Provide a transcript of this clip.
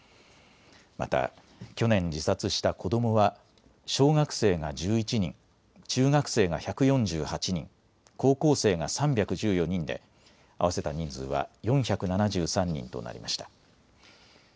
また去年自殺した子どもは小学生が１１人、中学生が１４８人、高校生が３１４人で合わせた人数は４７３人となりました。